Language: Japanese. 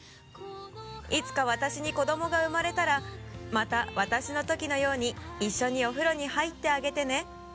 「いつか私に子どもが生まれたらまた私の時のように一緒にお風呂に入ってあげてね」